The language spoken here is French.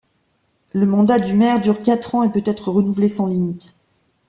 Le mandat du maire dure quatre ans et peut être renouvelé sans limite.